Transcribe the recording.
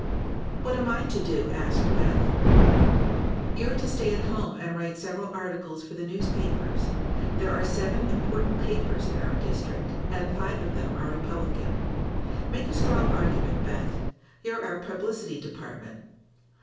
"What am I to do?" asked Beth. "You're to stay at home and write several articles for the newspapers. There are seven important papers in our district, and five of them are Republican. Make a strong argument, Beth. You're our publicity department.